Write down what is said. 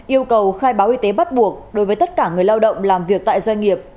yêu cầu khai báo y tế bắt buộc đối với tất cả người lao động làm việc tại doanh nghiệp